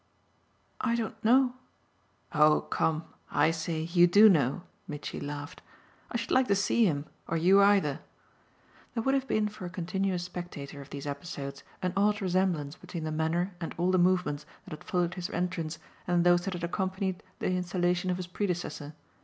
"I don't know." "Oh come I say: You do know," Mitchy laughed. "I should like to see him or you either!" There would have been for a continuous spectator of these episodes an odd resemblance between the manner and all the movements that had followed his entrance and those that had accompanied the installation of his predecessor.